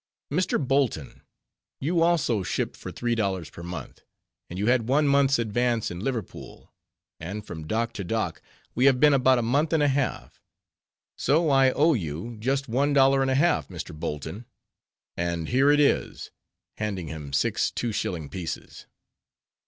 "Mr. Bolton, you also shipped for three dollars per month: and you had one month's advance in Liverpool; and from dock to dock we have been about a month and a half; so I owe you just one dollar and a half, Mr. Bolton; and here it is;" handing him six two shilling pieces.